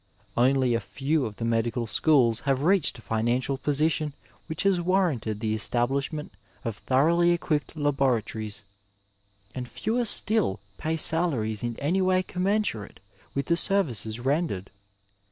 Only a few of the medical schools have reached a financial position which has warranted the establishment of thoroughly equipped laboratories, and fewer still pay salaries in any way commensurate with the services rendered.